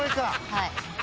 はい。